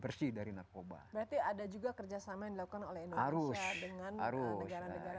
berarti ada juga kerjasama yang dilakukan oleh indonesia dengan negara negara